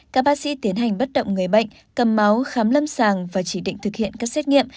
các bác sĩ tiến hành bất động người bệnh cầm máu khám lâm sàng và chỉ định thực hiện các xét nghiệm